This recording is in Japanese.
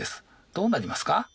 どうなりますか？